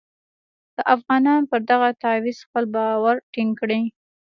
که افغانان پر دغه تعویض خپل باور ټینګ کړي.